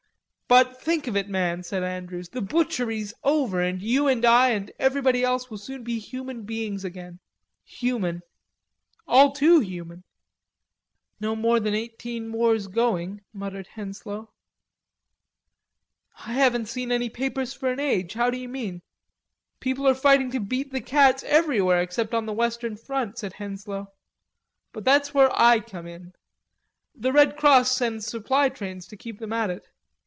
"But think of it, man," said Andrews, "the butchery's over, and you and I and everybody else will soon be human beings again. Human; all too human!" "No more than eighteen wars going," muttered Henslowe. "I haven't seen any papers for an age.... How do you mean?" "People are fighting to beat the cats everywhere except on the' western front," said Henslowe. "But that's where I come in. The Red Cross sends supply trains to keep them at it....